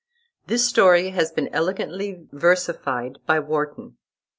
This story has been elegantly versified by Warton.